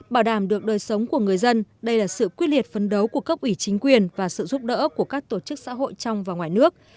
bảo đảm được đời sống của người dân đây là sự quyết liệt phấn đấu của cấp ủy chính quyền và sự giúp đỡ của các tổ chức xã hội trong và ngoài nước